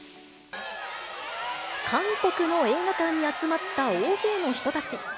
韓国の映画館に集まった大勢の人たち。